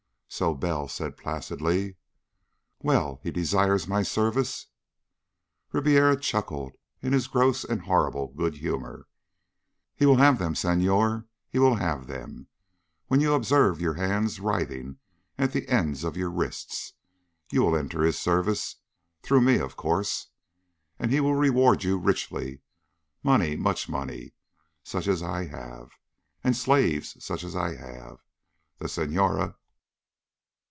So Bell said placidly: "Well? He desires my services?" Ribiera chuckled, in his gross and horrible good humor. "He will have them. Senhor. He will have them. When you observe your hands writhing at the ends of your wrists, you will enter his service, through me. Of course. And he will reward you richly. Money, much money, such as I have. And slaves such as I have. The Senhora...."